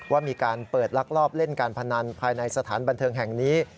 ว่ามีการเปิดลักลอบเล่นการพนันภายในสถานบันเทิงแห่งนี้